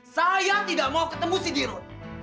saya tidak mau ketemu si dirut